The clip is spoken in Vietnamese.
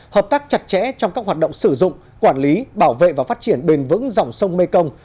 hợp tác chặt chẽ trong các hoạt động sử dụng quản lý bảo vệ và phát triển bền vững dòng sông mekong